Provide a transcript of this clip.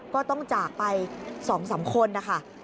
ก็ต้องจากไป๒๓คนนะคะ